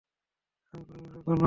আমি কোন বিশেষজ্ঞ নই।